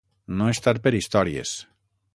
No estar per històries.